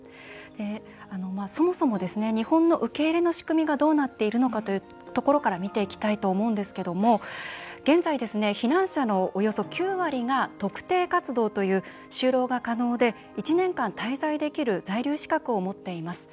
そもそも日本の受け入れの仕組みがどうなっているのかというところから見ていきたいと思うんですけれども現在、避難者のおよそ９割が「特定活動」という就労が可能で１年間、滞在できる在留資格を持っています。